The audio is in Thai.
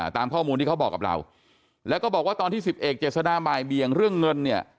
ตามข้อมูลที่เขาบอกกับเราแล้วก็บอกว่าตอนที่สิบเอกเจษฎาบ่ายเบียงเรื่องเงินเนี่ย